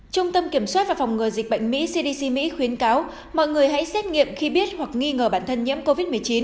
trung tâm kiểm soát và phòng ngừa dịch bệnh mỹ cdc mỹ khuyến cáo mọi người hãy xét nghiệm khi biết hoặc nghi ngờ bản thân nhiễm covid một mươi chín